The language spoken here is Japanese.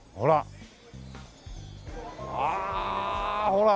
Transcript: ほら。